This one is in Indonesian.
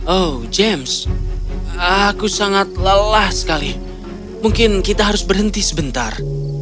oh james aku sangat lelah sekali mungkin kita harus berhenti sebentar